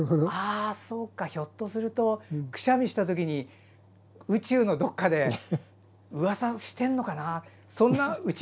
そうか、ひょっとするとくしゃみしたときに宇宙のどこかでうわさしてんのかな